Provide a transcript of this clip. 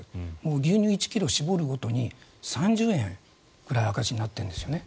牛乳１ｋｇ搾るごとに３０円の赤字になってるんですね。